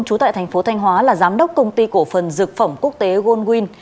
trú tại thành phố thanh hóa là giám đốc công ty cổ phần dược phẩm quốc tế goldwin